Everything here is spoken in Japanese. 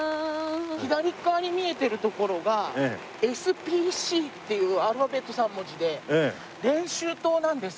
左側に見えてる所がＳＰＣっていうアルファベット３文字で練習棟なんです。